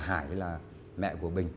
hải là mẹ của bình